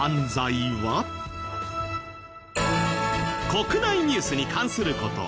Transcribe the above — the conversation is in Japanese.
国内ニュースに関する事